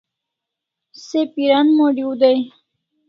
Se piran mod'iu dai